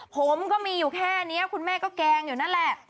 ผมก็มีอยู่แค่นี้คุณแม่ก็แกล้งอยู่นั่นแหละ